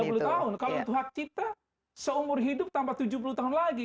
kalau untuk hak kita seumur hidup tambah tujuh puluh tahun lagi